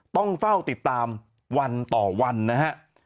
ต้องเฝ้าติดตามวันต่อวันนะฮะ